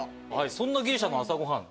そんなギリシャの朝ごはん。